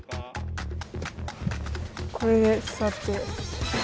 これで座って。